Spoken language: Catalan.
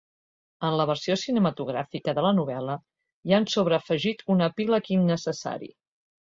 En la versió cinematogràfica de la novel·la hi han sobreafegit un epíleg innecessari.